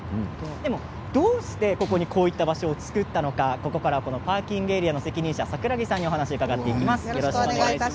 でも、どうしてここにこういった場所を造ったのかここからパーキングエリアの責任者櫻木さんにお話を伺います。